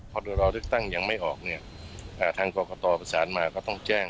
พอโดยรอเลือกตั้งยังไม่ออกเนี่ยทางกรกตประสานมาก็ต้องแจ้ง